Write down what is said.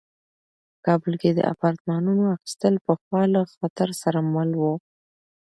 په کابل کې د اپارتمانونو اخیستل پخوا له خطر سره مل وو.